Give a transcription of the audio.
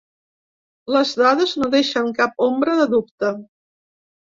Les dades no deixen cap ombra de dubte.